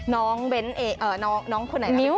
น้องเบ้นท์เอกน้องคุณไหนค่ะ